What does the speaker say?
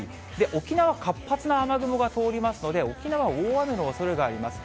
沖縄、活発な雨雲が通りますので、沖縄、大雨のおそれがあります。